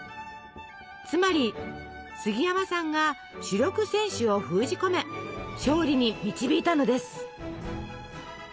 つまり杉山さんが主力選手を封じ込め勝利に導いたのです。